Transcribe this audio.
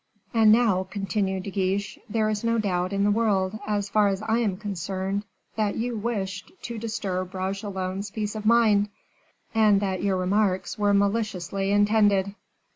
"And now," continued De Guiche, "there is no doubt in the world, as far as I am concerned, that you wished to disturb Bragelonne's peace of mind, and that your remarks were maliciously intended."